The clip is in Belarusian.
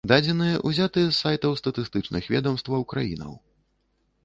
Дадзеныя ўзятыя з сайтаў статыстычных ведамстваў краінаў.